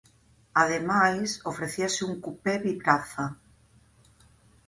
Ademais ofrecíase un cupé bipraza.